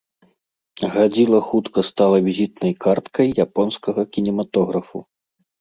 Гадзіла хутка стала візітнай карткай японскага кінематографу.